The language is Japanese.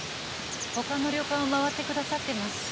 他の旅館を回ってくださってます。